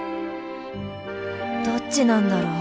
どっちなんだろう？